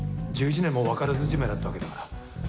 １１年も分からずじまいだったわけだから。